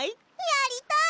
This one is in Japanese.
やりたい！